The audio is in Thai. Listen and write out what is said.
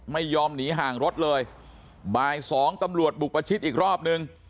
ไม่ยอมหนีห่างรถเลยบ่ายสองตำรวจบุกประชิดอีกรอบนึง